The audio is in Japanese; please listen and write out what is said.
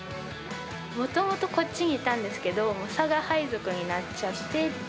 もともとこっちにいたんですけど、佐賀配属になっちゃって。